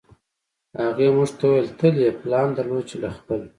هغې موږ ته وویل تل یې پلان درلود چې له خپل